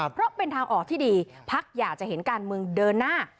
เพราะเป็นทางออกที่ดีพักอยากจะเห็นการเมืองเดินหน้า